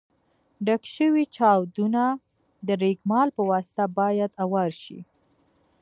ډک شوي چاودونه د رېګمال په واسطه باید اوار شي.